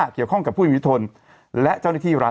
เกี่ยวข้องกับผู้อิทธิพลและเจ้าหน้าที่รัฐ